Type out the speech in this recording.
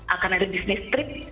akan ada business trip